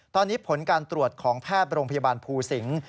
ตอนนี้ผลการตรวจของแพทย์โรงพยาบาลภูสิงศ์